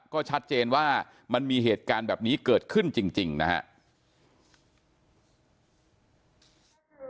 ก็ชัดเจนว่ามันมีเหตุการณ์แบบนี้เกิดขึ้นจริงนะครับ